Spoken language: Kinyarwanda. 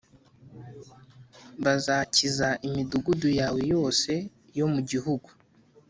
Bazasakiza imidugudu yawe yose yo mu gihugu